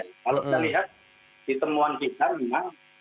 kalau kita lihat ditemuan kita memang